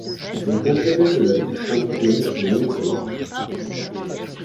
Les intérêts de la distinction sont nombreux.